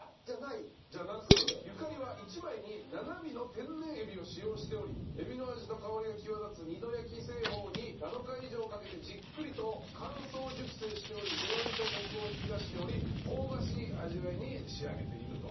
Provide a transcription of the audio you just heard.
ゆかりは１枚に７尾の天然エビを使用しておりエビの味と香りが際立つ２度焼き製法に７日以上かけてじっくりと乾燥熟成しておりうまみとコクを引き出しており香ばしい味わいに仕上げていると。